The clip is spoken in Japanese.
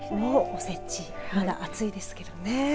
おせち、まだ暑いですけどね。